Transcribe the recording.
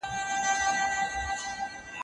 پاکې او تصفیه شوې اوبه وڅښئ.